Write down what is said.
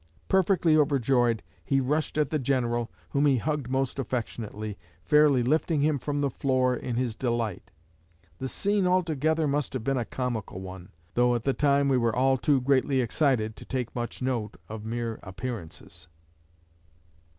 Perfectly overjoyed, he rushed at the General, whom he hugged most affectionately, fairly lifting him from the floor in his delight. The scene altogether must have been a comical one, though at the time we were all too greatly excited to take much note of mere appearances."